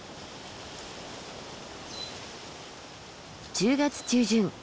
１０月中旬